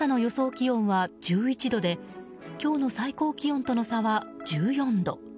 気温は１１度で今日の最高気温との差は１４度。